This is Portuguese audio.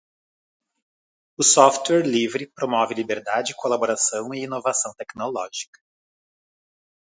O software livre promove liberdade, colaboração e inovação tecnológica.